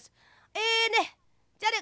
「えねえじゃあね